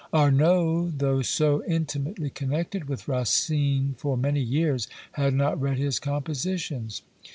Arnauld, though so intimately connected with Racine for many years, had not read his compositions.